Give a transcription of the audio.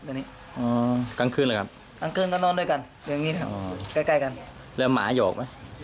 อ๋อกลางคืนหรือครับกลางคืนก็นอนด้วยกันอย่างนี้ครับใกล้กันแล้วหมาโยกไหม